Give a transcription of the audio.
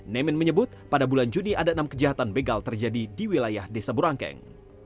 nemin menyebut pada bulan juni ada enam kejahatan begal terjadi di wilayah desa burangkeng